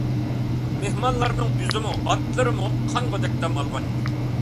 مېھمانلارنىڭ ئۆزىمۇ، ئاتلىرىمۇ قانغۇدەك دەم ئالغانىدى.